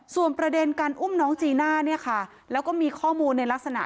ส่วนประเด็นการอุ้มน้องจีน่าเนี่ยค่ะแล้วก็มีข้อมูลในลักษณะ